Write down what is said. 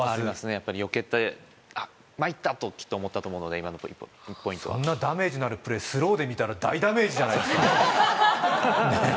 やっぱりよけてあっまいった！ときっと思ったと思うので今の１ポイントはそんなダメージのあるプレースローで見たら大ダメージじゃないですかねえ